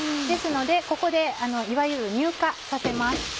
ですのでここでいわゆる乳化させます。